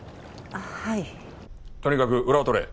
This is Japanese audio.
とにかく裏を取れ。